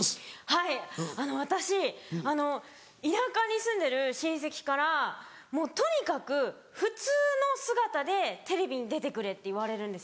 はい私田舎に住んでる親戚から「とにかく普通の姿でテレビに出てくれ」って言われるんですよ。